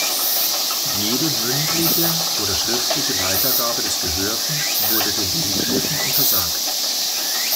Jede mündliche oder schriftliche Weitergabe des Gehörten wurde den Delegierten untersagt.